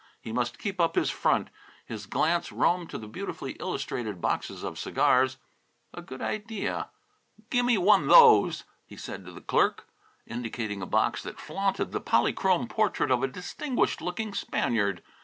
He must keep up his front. His glance roamed to the beautifully illustrated boxes of cigars. A good idea! "Gimme one those," he said to the clerk, indicating a box that flaunted the polychrome portrait of a distinguished looking Spaniard.